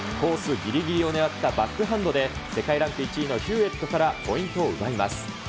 ぎりぎりを狙ったバックハンドで、世界ランク１位のヒューエットからポイントを奪います。